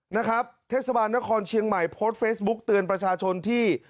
นะครับเทศบาลนครเชียงใหม่โพสต์เฟซบุ๊กเตือนประชาชนที่